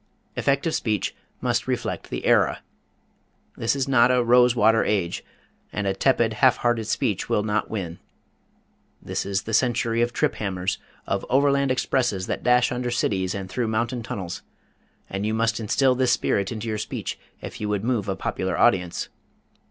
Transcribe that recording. Effective speech must reflect the era. This is not a rose water age, and a tepid, half hearted speech will not win. This is the century of trip hammers, of overland expresses that dash under cities and through mountain tunnels, and you must instill this spirit into your speech if you would move a popular audience.